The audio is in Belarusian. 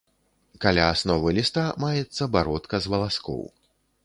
Каля асновы ліста маецца бародка з валаскоў.